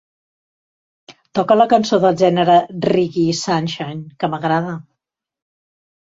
Toca la cançó del gènere reggae sunshine que m'agrada.